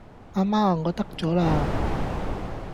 阿媽，我得咗啦!